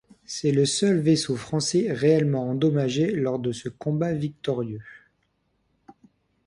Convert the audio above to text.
C'est le seul vaisseau français réellement endommagé lors de ce combat victorieux.